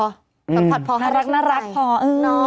สัมผัสพอให้รู้สึกใจน่ารักพอน้อง